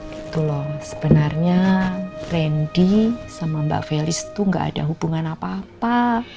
gitu loh sebenarnya randy sama mbak felis itu gak ada hubungan apa apa